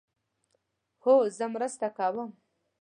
هو، زه مرسته کوم